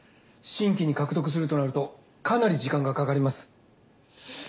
新規に獲得するとなるとかなり時間がかかります。